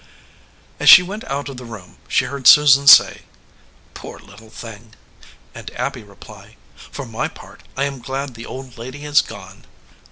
As she went out of the room she heard Susan say, "Poor little thing," and Abby reply, "For my part, I am glad the old lady has gone."